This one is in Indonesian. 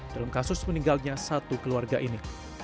dalam kasus meninggalnya satu keluarga ini